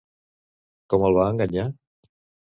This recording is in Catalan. Com el va enganyar?